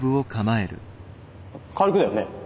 軽くだよね？